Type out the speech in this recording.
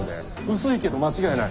薄いけど間違いない。